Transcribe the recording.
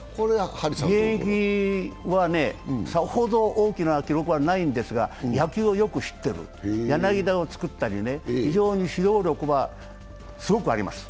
現役は、さほど大きな記録はないんですが、野球をよく知っている、柳田を作ったり、指導力はすごくあります。